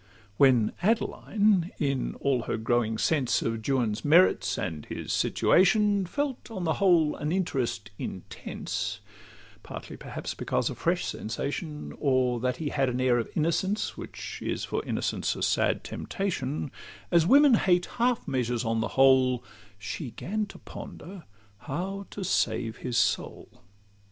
When Adeline, in all her growing sense Of Juan's merits and his situation, Felt on the whole an interest intense,— Partly perhaps because a fresh sensation, Or that he had an air of innocence, Which is for innocence a sad temptation,— As women hate half measures, on the whole, She 'gan to ponder how to save his soul.